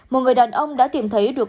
một người đàn ông đã tìm thấy được